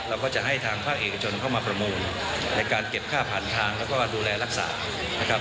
เราก็จะให้ทางภาคเอกชนเข้ามาประมูลในการเก็บค่าผ่านทางแล้วก็ดูแลรักษานะครับ